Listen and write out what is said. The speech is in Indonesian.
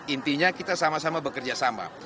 intinya kita sama sama bekerja sama